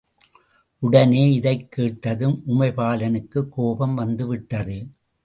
உடனே இதைக்கேட்டதும் உமைபாலனுக்குக் கோபம் வந்துவிட்டது.